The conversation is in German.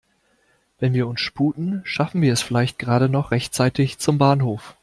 Wenn wir uns sputen, schaffen wir es vielleicht gerade noch rechtzeitig zum Bahnhof.